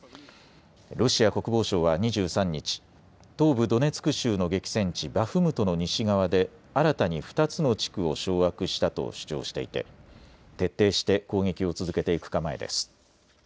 ロシア国防省は２３日、東部ドネツク州の激戦地バフムトの西側で新たに２つの地区を掌握したと主張していて徹底して攻撃を続けていく構えです。